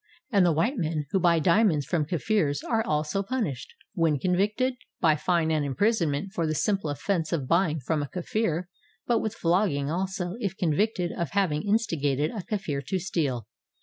And the white men who buy diamonds from Kafirs are also punished, when convicted, by fine and imprisonment for the simple offense of buy ing from a Kafir, but with flogging also if convicted of having instigated a Kafir to steal.